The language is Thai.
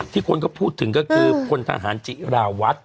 คนก็พูดถึงก็คือพลทหารจิราวัฒน์